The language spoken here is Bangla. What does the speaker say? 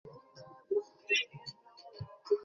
পুরো জমি বিক্রি করে দিয়েছ?